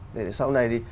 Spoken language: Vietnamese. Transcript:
để sau này